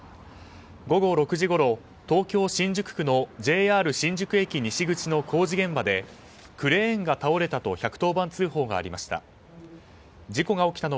午後６時ごろ、東京・新宿区のＪＲ新宿駅西口の工事現場でクレーンが倒れたと１１０番通報がありました。